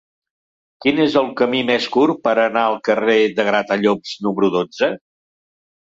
Quin és el camí més curt per anar al carrer de Gratallops número dotze?